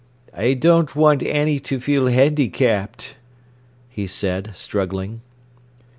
"I don't want Annie to feel handicapped," he said, struggling.